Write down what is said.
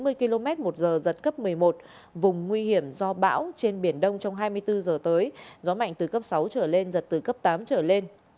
bán kính gió mạnh từ cấp tám từ sáu mươi đến bảy mươi năm km vùng nguy hiểm do bão trên biển đông trong hai mươi bốn h tới gió mạnh từ cấp sáu trở lên giật từ cấp tám trở lên